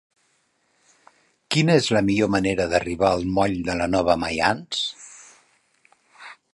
Quina és la millor manera d'arribar al moll de la Nova Maians?